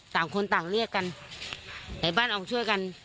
ต่างคนต่างเรียกกันหลายบ้านเอาช่วยกัน